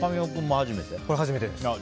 初めてです。